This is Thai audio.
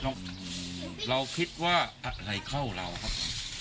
แล้วเราคิดว่าอะไรเข้าเราครับ